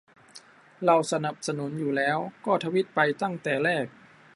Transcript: เราสนับสนุนอยู่แล้ว ก็ทวีตไปตั้งแต่แรก